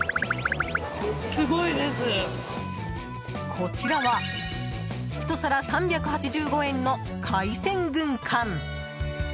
こちらは１皿３８５円の海鮮軍艦。